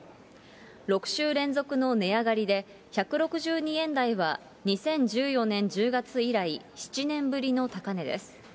６週連続の値上がりで、１６２円台は２０１４年１０月以来７年ぶりの高値です。